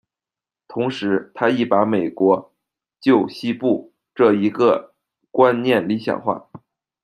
同时，他亦把美国旧西部这一个观念理想化。